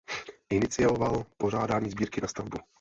Inicioval pořádání sbírky na stavbu.